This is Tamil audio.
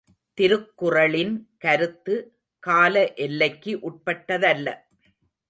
திருக்குறளின் கருத்து காலஎல்லைக்கு உட்பட்டதல்ல.